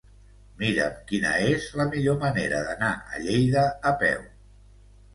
Mira'm quina és la millor manera d'anar a Lleida a peu.